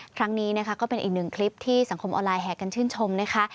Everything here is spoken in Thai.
ครั้งนี้นะคะก็เป็นอีกหนึ่งคลิปที่สังคมออนไลน์แห่กันชื่นชมนะคะ